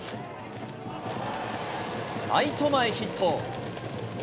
ライト前ヒット。